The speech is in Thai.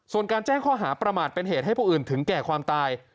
ส่วนการแจ้งข้อหาประมาทเป็นเหตุให้ผู้อื่นถึงแก่ความตาย